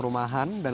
iya kita jual